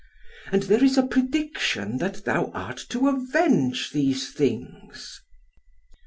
And there is a prediction that thou art to avenge these things."